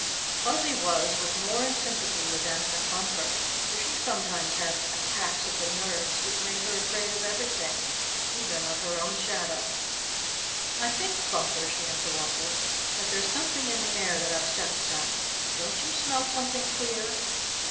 Fuzzy Wuzz was more in sympathy with them than Bumper, for she sometimes had attacks of the nerves which made her afraid of everything, even of her own shadow. "I think, Bumper," she interrupted, "that there's something in the air that upsets them. Don't you smell something queer?"